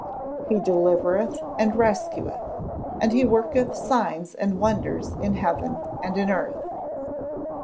[Verse: "He delivereth and rescueth, and he worketh signs and wonders in heaven and in earth."